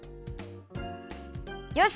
よし！